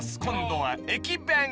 今度は駅弁］